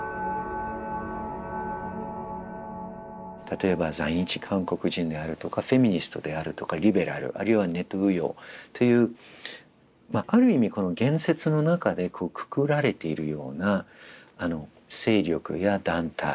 例えば在日韓国人であるとかフェミニストであるとかリベラルあるいはネトウヨっていうある意味この言説の中でくくられているような勢力や団体